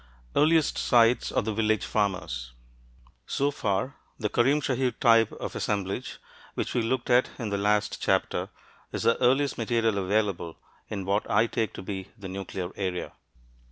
EARLIEST SITES OF THE VILLAGE FARMERS So far, the Karim Shahir type of assemblage, which we looked at in the last chapter, is the earliest material available in what I take to be the nuclear area.